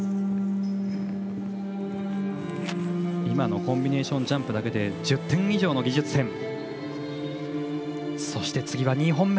今のコンビネーションジャンプだけで１０点以上の技術点。